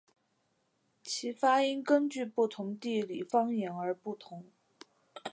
其发音根据不同地理方言而不同。